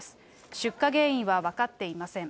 出火原因は分かっていません。